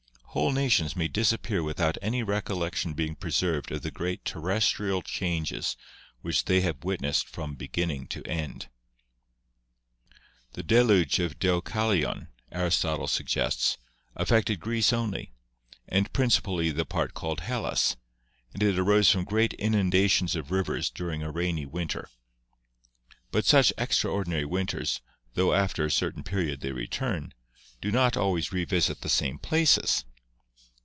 Whole nations may disappear without any recollection being preserved of the great terrestrial changes which they have witnessed from beginning to end." THE ANCIENT COSMOGONIES n The deluge of Deucalion, Aristotle suggests, affected Greece only, and principally the part called Hellas, and it arose from great inundations of rivers during a rainy winter. But such extraordinary winters, tho after a cer tain period they return, do not always revisit the same places.